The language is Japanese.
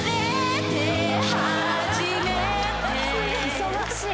忙しい。